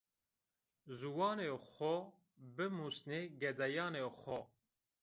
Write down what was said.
Ziwanê xo bimusnê gedeyanê xo